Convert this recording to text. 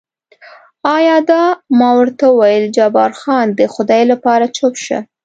ایا دا؟ ما ورته وویل جبار خان، د خدای لپاره چوپ شه.